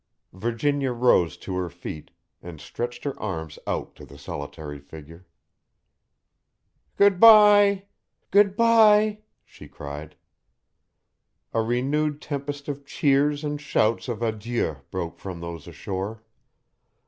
Virginia rose to her feet and stretched her arms out to the solitary figure. "Good by! good by!" she cried. A renewed tempest of cheers and shouts of adieu broke from those ashore.